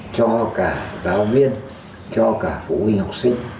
cho cả giáo viên cho cả phụ huynh học sinh